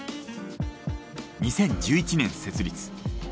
２０１１年設立。